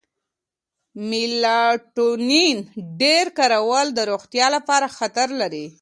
میلاټونین ډېر کارول د روغتیا لپاره خطر لري.